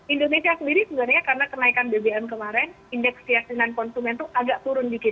indonesia sendiri sebenarnya karena kenaikan bbm kemarin indeks keyakinan konsumen itu agak turun dikit